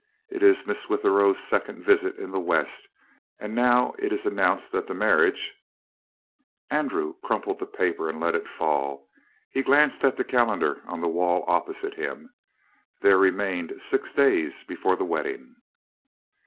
It is Miss Withero's second visit in the West, and it is now announced that the marriage Andrew crumpled the paper and let it fall. He glanced at a calender on the wall opposite him. There remained six days before the wedding.